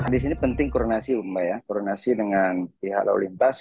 di sini penting koronasi umbah ya koronasi dengan pihak lalu lintas